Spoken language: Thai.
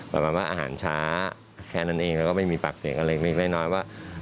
แบบว่าอาหารช้าแค่นั้นเองแล้วก็ไม่มีปากเสียงอะไรนิดนึง